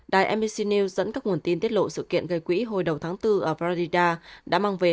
đài emic nêu dẫn các nguồn tin tiết lộ sự kiện gây quỹ hồi đầu tháng bốn ở florida đã mang về